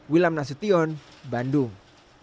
wilam nasution bandung